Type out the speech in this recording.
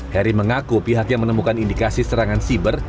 heri mengaku pihaknya menemukan indikasi serangan siber